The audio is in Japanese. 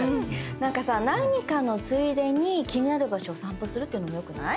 なんかさ何かのついでに気になる場所を散歩するっていうのもよくない？